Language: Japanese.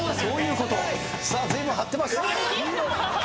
ずいぶん張ってます。